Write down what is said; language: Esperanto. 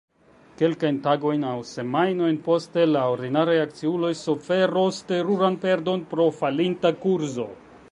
Kelkajn tagojn aŭ semajnojn poste la ordinaraj akciuloj suferos teruran perdon pro falinta kurzo.